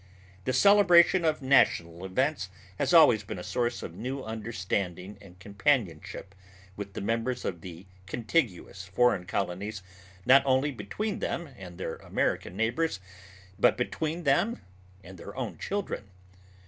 The celebration of national events has always been a source of new understanding and companionship with the members of the contiguous foreign colonies not only between them and their American neighbors but between them and their own children.